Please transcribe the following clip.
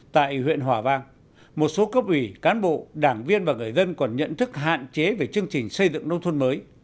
tại huyện hòa vang một số cấp ủy cán bộ đảng viên và người dân còn nhận thức hạn chế về chương trình xây dựng nông thôn mới